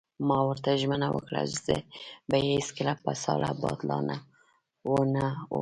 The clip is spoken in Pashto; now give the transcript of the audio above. ما ورته ژمنه وکړه: زه به یې هېڅکله په ساړه باد لا ونه وهم.